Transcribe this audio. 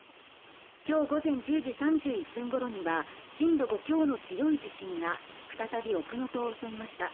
今日午前１０時３１分ごろには震度５強の強い地震が再び奥能登を襲いました。